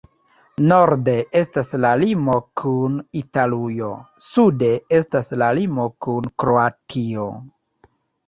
Norde estas la limo kun Italujo, sude estas la limo kun Kroatio.